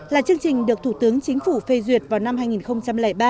là chương trình được thủ tướng chính phủ phê duyệt vào năm hai nghìn ba